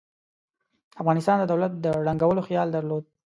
د افغانستان د دولت د ړنګولو خیال درلود.